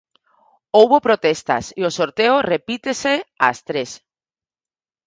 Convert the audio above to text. Houbo protestas e o sorteo repítese ás tres.